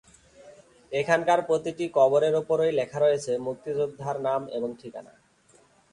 এখানকার প্রতিটি কবরের উপরেই লেখা রয়েছে মুক্তিযোদ্ধার নাম এবং ঠিকানা।